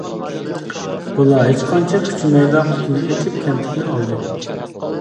بالا ھېچقانچە كۈچىمەيلا قۇتىنى ئېچىپ كەمپۈتنى ئالدى.